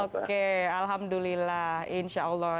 oke alhamdulillah insya allah